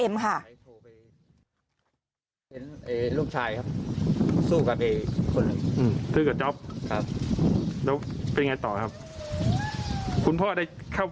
ไม่ได้ค่ะ